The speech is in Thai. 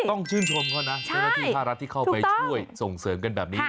ต้องชื่นชมเขานะที่รัฐที่เข้าไปช่วยส่งเสริมกันแบบนี้